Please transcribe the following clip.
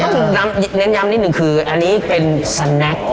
จริงแล้วต้องย้ำนิดหนึ่งคืออันนี้เป็นแซะแน็ก